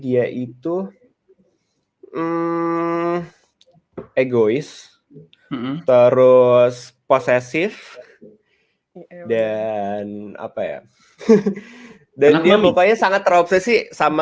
ya itu egois terus prosesif dan apa ya dan dia pokoknya sangat terobsesi sama